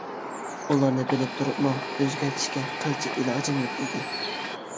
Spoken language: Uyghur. ئۇلارنى بىلىپ تۇرۇپمۇ ئۆزگەرتىشكە قىلچە ئىلاجىم يوق ئىدى.